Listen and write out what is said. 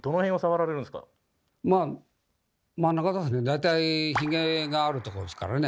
大体ヒゲがあるとこですからね。